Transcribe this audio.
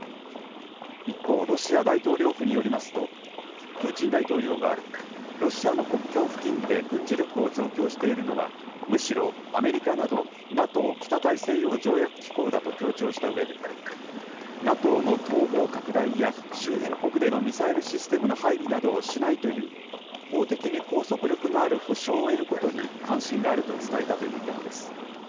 一方、ロシア大統領府によりますと、プーチン大統領はロシアの国境付近で軍事力を増強しているのは、むしろアメリカなど、ＮＡＴＯ・北大西洋条約機構だと強調したうえで、ＮＡＴＯの東方拡大や、周辺国でのミサイルシステムの配備などをしないという、法的に拘束力のある保証を得ることに関心があると伝えたということです。